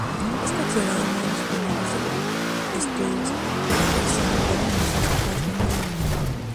Es considerado uno de los pioneros de los estudios oceanográficos en su país natal.